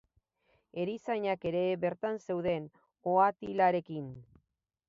Erizainak ere bertan zeuden, ohatilarekin.